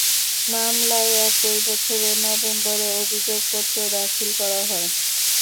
মামলায় একই বছরের নভেম্বরে অভিযোগপত্র দাখিল করা হয়।